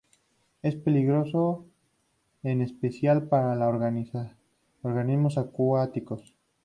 Es peligroso en especial para los organismos acuáticos.